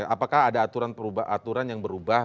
apakah ada aturan yang berubah